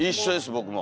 僕も。